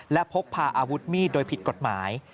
และพกพาอาวุธมีดโดยผิดกฎหมาย